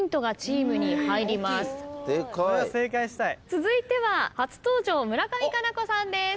続いては初登場村上佳菜子さんです。